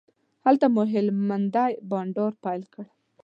هلته مو هلمندی بانډار پیل کړ.